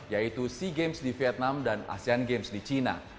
yaitu sea games di vietnam dan asean games di cina